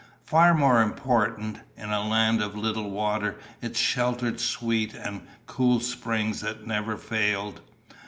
Far more important, in a land of little water it sheltered sweet and cool springs that never failed.